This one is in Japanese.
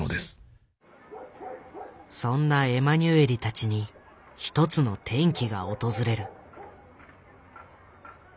そんなエマニュエリたちに一つの転機が訪れる。